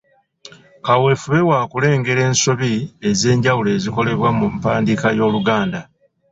Kaweefube wa kulengera ensobi ez'enjawulo ezikolebwa mu mpandiika y'Oluganda.